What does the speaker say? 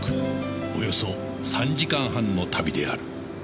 およそ３時間半の旅である